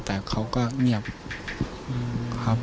แต่เขาก็เงียบ